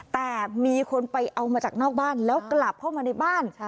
แต่มีคนไปเอามาจากนอกบ้านแล้วกลับเข้ามาในบ้าน